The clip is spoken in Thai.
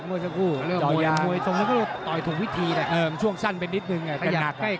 เมื่อสักครู่จอยางช่วงสั้นไปนิดนึงใกล้ครับ